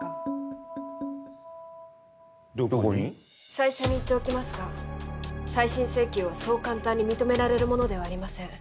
最初に言っておきますが再審請求はそう簡単に認められるものではありません。